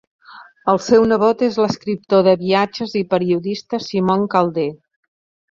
El seu nebot és l'escriptor de viatges i periodista Simon Calder.